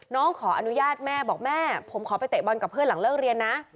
ขออนุญาตแม่บอกแม่ผมขอไปเตะบอลกับเพื่อนหลังเลิกเรียนนะ